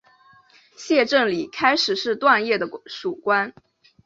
谢正礼开始是段业的属官。